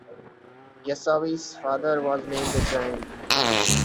Yassawi's father was named Ibrahim.